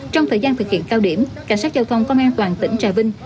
trong thời gian thực hiện cao điểm cảnh sát giao thông công an toàn tỉnh trà vinh